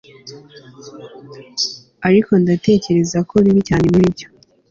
ariko ndatekereza ko bibi cyane muri byo